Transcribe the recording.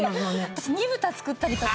私煮豚作ったりとか。